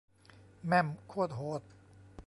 แม่มโคตรโหด